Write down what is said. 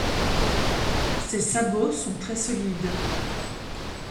Ses sabots sont très solides.